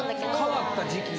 変わった時期や。